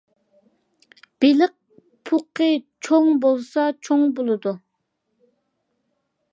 بېلىق پوقى چوڭ بولسا چوڭ بولىدۇ.